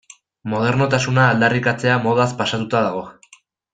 Modernotasuna aldarrikatzea modaz pasatuta dago.